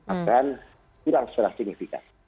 akan tidak secara signifikan